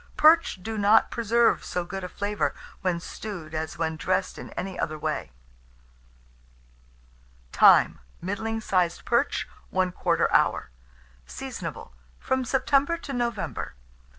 Perch do not preserve so good a flavour when stewed as when dressed in any other way. Time. Middling sized perch, 1/4 hour. Seasonable from September to November.